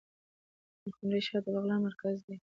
د پلخمري ښار د بغلان مرکز دی